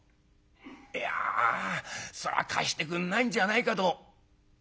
「いやそれは貸してくんないんじゃないかと」。